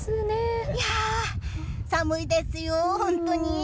寒いですよ、本当に。